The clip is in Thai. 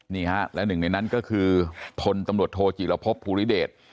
นี่ฮะและหนึ่งในนั้นก็คือพลตำรวจโทจีรพบภูริเดช